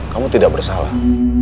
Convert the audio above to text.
kamu tidak bersalah